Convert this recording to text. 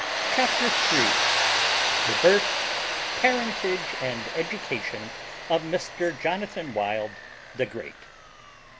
CHAPTER THREE THE BIRTH, PARENTAGE, AND EDUCATION OF MR. JONATHAN WILD THE GREAT.